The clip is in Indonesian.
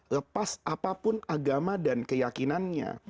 lepas apapun agama dan keyakinannya